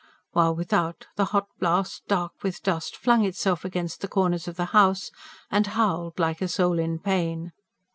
While, without, the hot blast, dark with dust, flung itself against the corners of the house, and howled like a soul in pain.